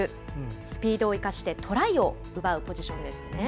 スピードを生かしてトライを奪うポジションですね。